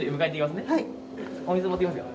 お水持ってきますよ。